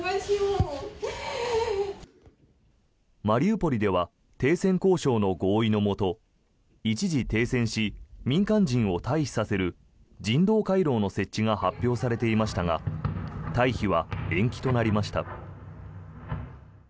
マリウポリでは停戦交渉の合意のもと一時停戦し、民間人を退避させる人道回廊の設置が発表されていましたが退避は延期となりました。